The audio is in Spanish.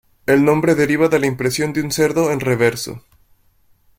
El nombre deriva de la impresión de un cerdo en reverso.